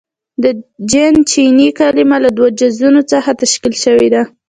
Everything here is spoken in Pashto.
• د جن چیني کلمه له دوو جزونو څخه تشکیل شوې ده.